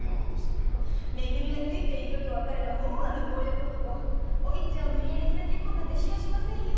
め組がついているとわかればあの強欲男もおいっちゃんを無理矢理連れて行こうとはしませんよ。